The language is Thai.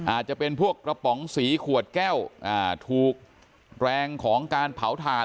อาจจะเป็นพวกกระป๋องสีขวดแก้วถูกแรงของการเผาถ่าน